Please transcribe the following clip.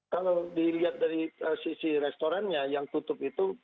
kalau dilihat dari sisi restorannya yang tutup itu